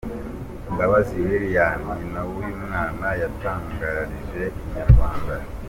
Mbabazi Liliane, nyina w’uyu mwana yatangarije inyarwanda.